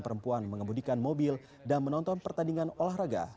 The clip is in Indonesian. perempuan mengembudikan mobil dan menonton pertandingan olahraga